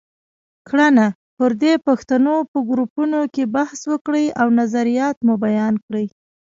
کړنه: پر دې پوښتنو په ګروپونو کې بحث وکړئ او نظریات مو بیان کړئ.